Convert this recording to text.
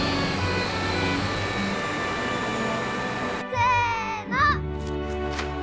せの。